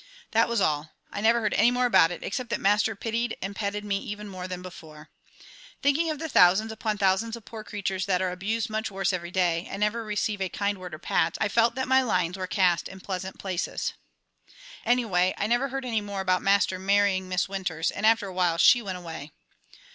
That was all. I never heard any more about it, except that Master pitied and petted me even more than before. Thinking of the thousands upon thousands of poor creatures that are abused much worse every day, and never receive a kind word or pat, I felt that my lines were cast in pleasant places. Anyway I never heard any more about Master marrying Miss Winters, and after awhile she went away.